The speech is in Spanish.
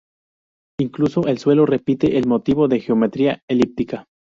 Incluso el suelo repite el motivo de geometría elíptica.